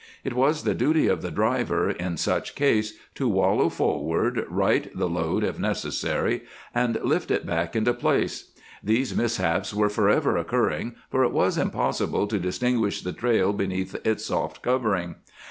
It was the duty of the driver, in such case, to wallow forward, right the load if necessary, and lift it back into place. These mishaps were forever occurring, for it was impossible to distinguish the trail beneath its soft covering.